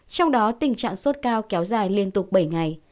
trong đó tình trạng sốt cao kéo dài liên tục bảy ngày